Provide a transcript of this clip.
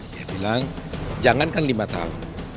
dia bilang jangankan lima tahun